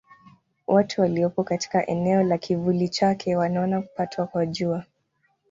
Watu waliopo katika eneo la kivuli chake wanaona kupatwa kwa Jua.